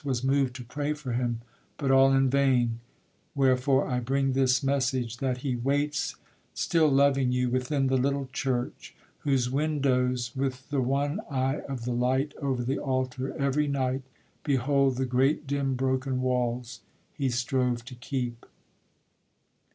Was moved to pray for him, but all in vain; Wherefore I bring this message: That he waits, Still loving you, within the little church Whose windows, with the one eye of the light Over the altar, every night behold The great dim broken walls he strove to keep!